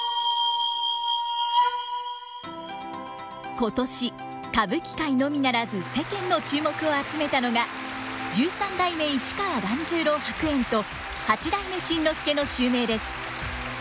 今年歌舞伎界のみならず世間の注目を集めたのが十三代目市川團十郎白猿と八代目新之助の襲名です。